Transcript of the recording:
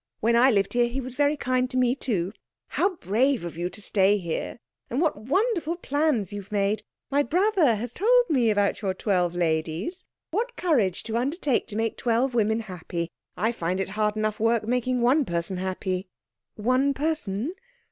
When I lived here he was very kind to me too. How brave of you to stay here! And what wonderful plans you have made! My brother has told me about your twelve ladies. What courage to undertake to make twelve women happy. I find it hard enough work making one person happy." "One person?